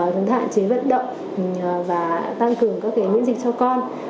chúng ta hạn chế vận động và tăng cường các nguyên dịch cho con